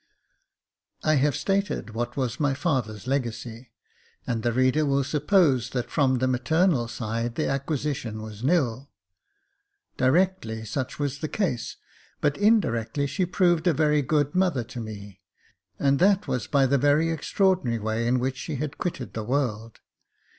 I have stated what was my father's legacy, and the reader will suppose that from the maternal side the acquisition was nil. Directly such was the case, but in directly she proved a very good mother to me, and that was by the very extraordinary way in which she had quitted the world.